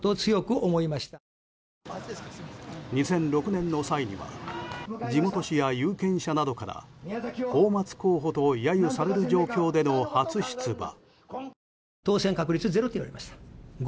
２００６年の際には地元紙や有権者などから泡沫候補と揶揄される状況での初出馬。